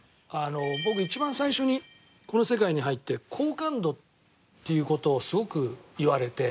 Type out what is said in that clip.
僕一番最初にこの世界に入って好感度っていう事をすごく言われて。